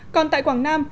còn tại quảng nam